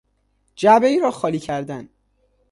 جعبهای را خالی کردن